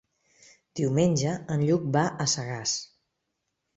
Diumenge en Lluc va a Sagàs.